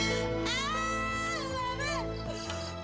tapi gak ada bang